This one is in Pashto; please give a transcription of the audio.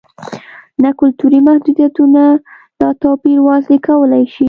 نه کلتوري محدودیتونه دا توپیرونه واضح کولای شي.